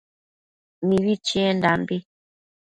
Mibi chinunendambi